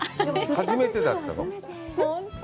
初めてだったの？